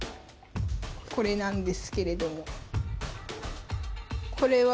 これなんですけれども。